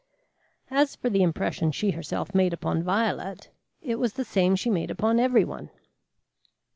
As for the impression she herself made upon Violet it was the same she made upon everyone.